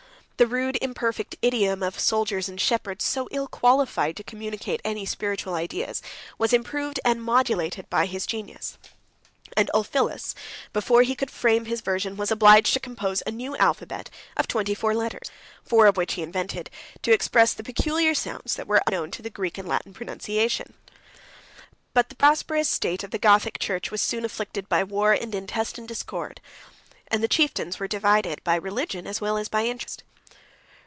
The rude, imperfect idiom of soldiers and shepherds, so ill qualified to communicate any spiritual ideas, was improved and modulated by his genius: and Ulphilas, before he could frame his version, was obliged to compose a new alphabet of twenty four letters; 741 four of which he invented, to express the peculiar sounds that were unknown to the Greek and Latin pronunciation. 75 But the prosperous state of the Gothic church was soon afflicted by war and intestine discord, and the chieftains were divided by religion as well as by interest.